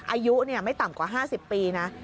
อายุไม่ต่ำกว่า๕๐ปีนะ